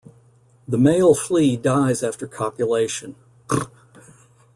The male flea dies after copulation.